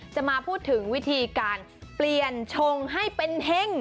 จะมาพูดถึงวิธีการเปลี่ยนชงให้เป็นเฮ่ง